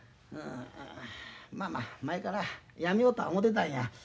まあまあ前からやめようとは思てたんや。